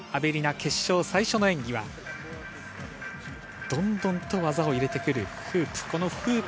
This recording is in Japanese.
決勝最初の演技はどんどん技を入れてくるフープ。